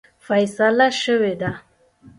فیصله شوې ده.